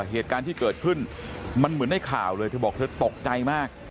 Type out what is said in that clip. เหตุการณ์ที่เกิดขึ้นมันเหมือนในข่าวเลยเธอบอกเธอตกใจมาก